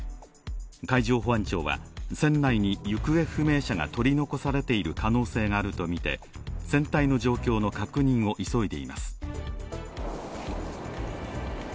海上保安庁は船内に行方不明者が取り残されている可能性があるとみて船体の状況の確認を急いでいます。